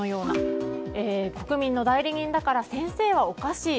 国民の代理人だから先生はおかしい。